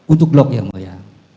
untuk glock yang mulia